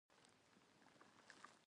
امیر دا ښورښونه په آهنین لاس وځپل.